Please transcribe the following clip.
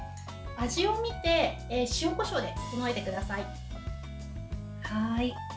味を見て塩、こしょうで調えてください。